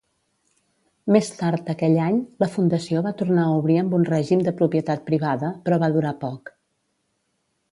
Més tard aquell any, la fundació va tornar a obrir amb un règim de propietat privada, però va durar poc.